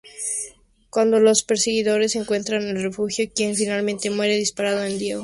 Cuando los perseguidores encuentran el refugio, quien finalmente muere disparado es Diego.